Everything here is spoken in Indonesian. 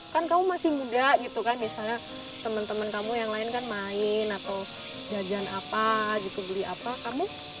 kan kamu masih muda gitu kan misalnya teman teman kamu yang lain kan main atau jajan apa gitu beli apa kamu